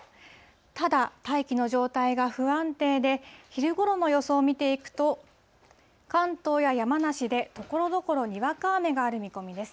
ただ、大気の状態が不安定で、昼ごろの予想見ていくと、関東や山梨で、ところどころ、にわか雨がある見込みです。